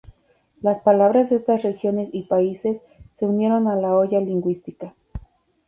Las palabras de estas regiones y países se unieron a la olla lingüística.